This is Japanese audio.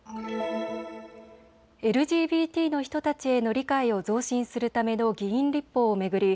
ＬＧＢＴの人たちへの理解を増進するための議員立法を巡り